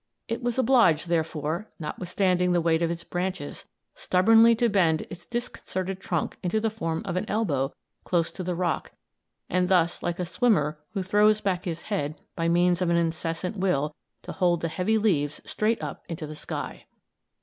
It was obliged, therefore, notwithstanding the weight of its branches, stubbornly to bend its disconcerted trunk into the form of an elbow close to the rock, and thus, like a swimmer who throws back his head, by means of an incessant will, to hold the heavy leaves straight up into the sky."